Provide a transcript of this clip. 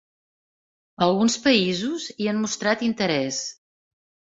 Alguns països hi han mostrat interès.